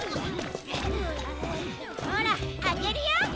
ほらあけるよ！